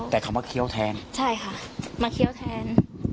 แต่เขามาเคี้ยวแทนใช่ค่ะมาเคี้ยวแทน